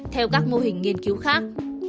theo các mô hình nghiên cứu khác